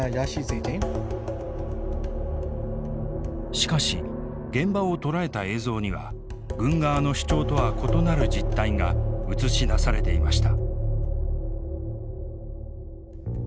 しかし現場を捉えた映像には軍側の主張とは異なる実態が映し出されていました。